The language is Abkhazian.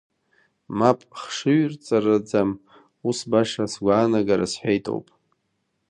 Мап, хшыҩрҵараӡам, ус баша сгәаанагара сҳәеит ауп…